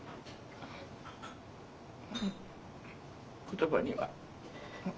言葉には。